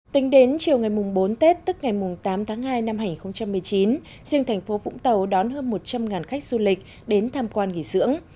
tính đến chiều ngày bốn tết tức ngày tám tháng hai năm hai nghìn một mươi chín riêng thành phố vũng tàu đón hơn một trăm linh khách du lịch đến tham quan nghỉ dưỡng